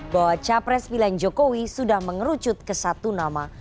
bahwa capres pilihan jokowi sudah mengerucut ke satu nama